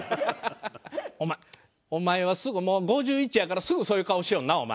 お前お前はすぐもう５１やからすぐそういう顔しよんなお前。